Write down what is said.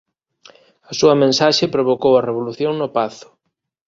A súa mensaxe provocou a revolución no pazo.